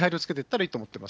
いいと思っています。